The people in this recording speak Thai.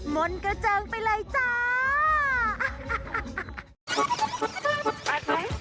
มนต์กระเจิงไปเลยจ้า